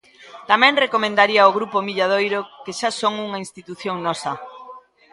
Tamén recomendaría o grupo Milladoiro, que xa son unha institución nosa.